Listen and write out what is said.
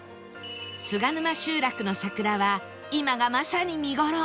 菅沼集落の桜は今がまさに見頃